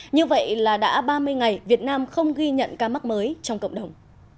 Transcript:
như vậy là đã ba mươi ngày việt nam không ghi nhận ca mắc mới trong cộng đồng